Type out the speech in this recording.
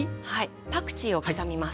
パクチーを刻みます。